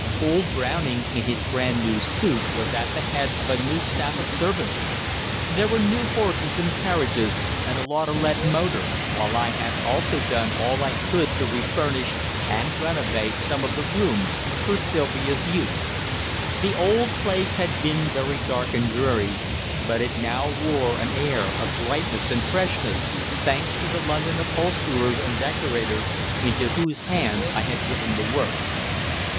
Old Browning, in his brand new suit, was at the head of a new staff of servants. There were new horses and carriages and a landaulette motor, while I had also done all I could to refurnish and renovate some of the rooms for Sylvia's use. The old place had been very dark and dreary, but it now wore an air of brightness and freshness, thanks to the London upholsterers and decorators into whose hands I had given the work.